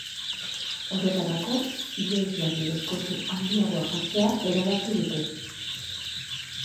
Horretarako, inoiz baino deskontu handiagoak jartzea erabaki dute.